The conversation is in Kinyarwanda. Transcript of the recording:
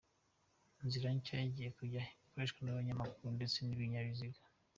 Inzira nshya igiye kujya ikoreshwa n’abanyamaguru ndetse n’ibinyabiziga.